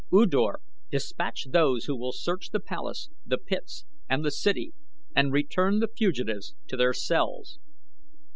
U Dor, dispatch those who will search the palace, the pits, and the city, and return the fugitives to their cells.